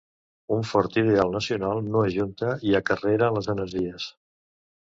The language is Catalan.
un fort ideal nacional no ajunta i acarrera les energies